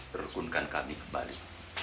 tergunkan kami kembali